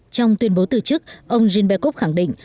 trong tuyên bố từ chức ông dzymbiekov khẳng định